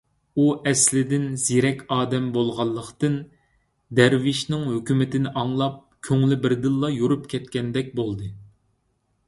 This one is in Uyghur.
ئۇ ئەسلىدىن زېرەك ئادەم بولغانلىقتىن، دەرۋىشنىڭ ھۆكمىتىنى ئاڭلاپ، كۆڭلى بىردىنلا يورۇپ كەتكەندەك بولدى.